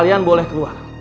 kalian boleh keluar